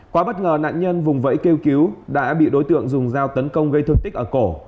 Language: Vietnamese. quá bất ngờ nạn nhân vùng vẫy kêu cứu đã bị đối tượng dùng dao tấn công gây thương tích ở cổ